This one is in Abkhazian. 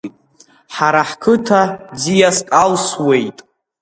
Ҳара ҳқыҭа ӡиаск алсуеит.